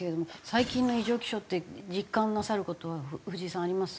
最近の異常気象って実感なさる事は藤井さんあります？